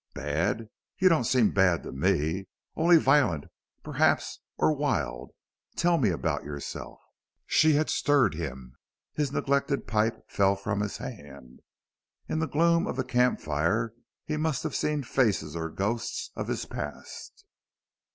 "Bad? You don't seem bad to me only violent, perhaps, or wild.... Tell me about yourself." She had stirred him. His neglected pipe fell from his hand. In the gloom of the camp fire he must have seen faces or ghosts of his past.